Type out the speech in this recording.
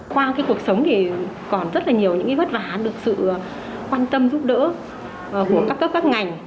trong cuộc sống còn rất nhiều vất vả được sự quan tâm giúp đỡ của các cấp các ngành